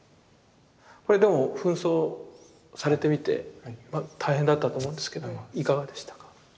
これでも扮装されてみて大変だったと思うんですけどいかがでしたか？